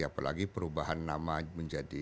apalagi perubahan nama menjadi